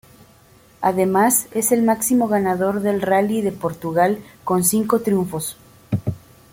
Además, es el máximo ganador del Rally de Portugal, con cinco triunfos.